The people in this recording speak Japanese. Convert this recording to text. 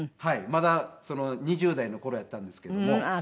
まだ２０代の頃やったんですけども。